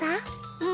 うん。